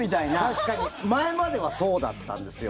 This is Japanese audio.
確かに前まではそうだったんですよ。